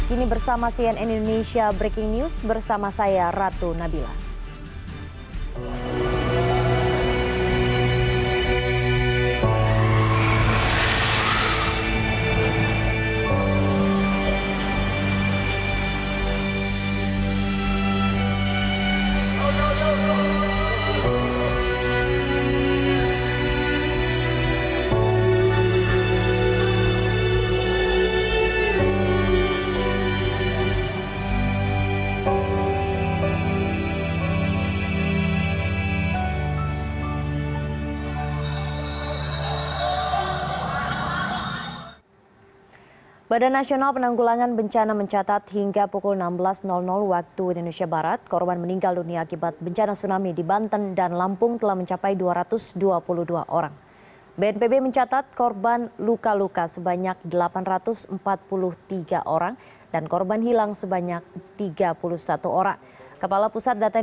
indonesia breaking news